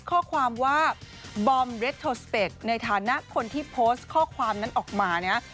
ข้อความว่าในฐานะคนที่ข้อความนั้นออกมาเนี้ย